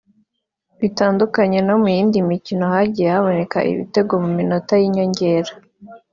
Bitandukanye no mu yindi mikino hagiye haboneka ibitego mu minota y’inyongera